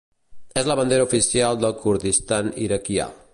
És la bandera oficial del Kurdistan Iraquià.